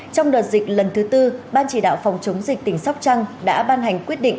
trong đợt dịch lần thứ tư ban chỉ đạo phòng chống dịch tỉnh sóc trăng đã ban hành quyết định